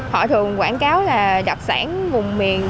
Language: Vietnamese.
họ thường quảng cáo là đặc sản vùng miền